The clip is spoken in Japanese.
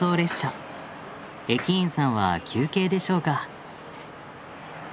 駅員さんは休憩でしょうか？